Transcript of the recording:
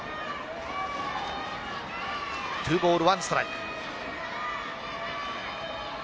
２ボール１ストライク。